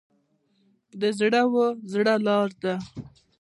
د زړه و زړه لار ده.